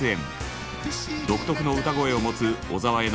独特の歌声を持つ小沢への。